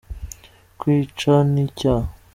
Kwica ni cyaha.